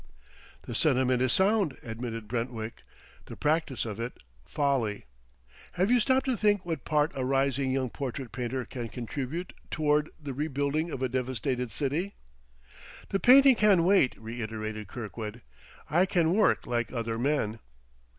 "The sentiment is sound," admitted Brentwick, "the practice of it, folly. Have you stopped to think what part a rising young portrait painter can contribute toward the rebuilding of a devastated city?" "The painting can wait," reiterated Kirkwood. "I can work like other men."